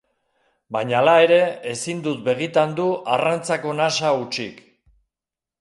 Baina hala ere ezin dut begitandu arrantzako nasa hutsik.